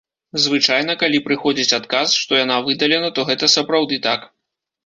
Звычайна, калі прыходзіць адказ, што яна выдалена, то гэта сапраўды так.